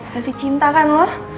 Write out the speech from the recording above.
masih cinta kan lu